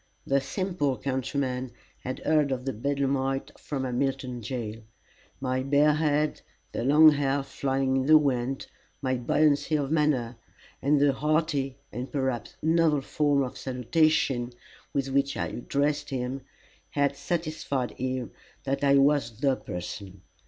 The simple countryman had heard of the bedlamite from Hamilton jail. My bare head, the long hair flying in the wind, my buoyancy of manner, and the hearty, and, perhaps, novel form of salutation with which I addressed him, had satisfied him that I was the person.